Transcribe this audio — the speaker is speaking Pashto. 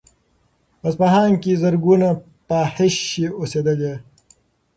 په اصفهان کې زرګونه فاحشې اوسېدلې.